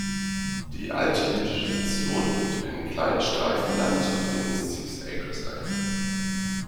Die alte jüdische Sektion nimmt einen kleinen Streifen Land auf den Six Acres ein.